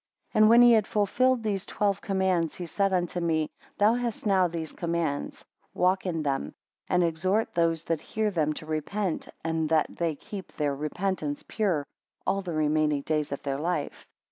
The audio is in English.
12 And when he had fulfilled these twelve commands, he said unto me, Thou hast now these commands, walk in them; and exhort those that hear them, to repent, and that they keep their repentance pure all the remaining days of their life.